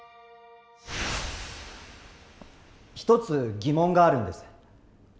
一つ疑問があるんです。